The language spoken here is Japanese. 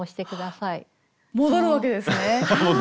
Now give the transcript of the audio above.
戻るわけですね。